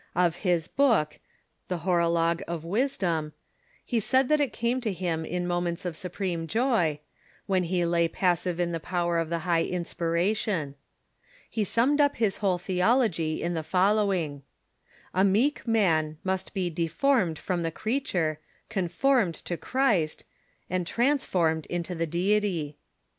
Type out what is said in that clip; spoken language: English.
Of his book, " The Hor ologe of Wisdom," he said that it came to him in moments of supreme joy, Avhen he lay passive in the power of the high inspiration. He summed up his whole theology in the follow ing : A meek man must be deformed from the creature, con formed to Christ, and transformed into the Deity.